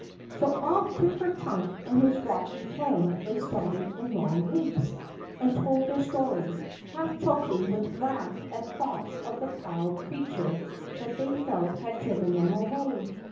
" So off to Ker Chunk and his rocky home they started in long leaps, and told their story, half choking with wrath at thoughts of the proud creature that they felt had driven them away.